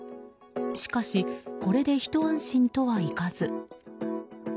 しかし、これでひと安心とはいかず。